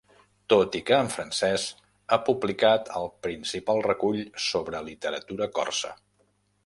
Tot i que en francès, ha publicat el principal recull sobre literatura corsa.